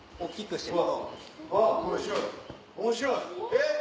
えっ！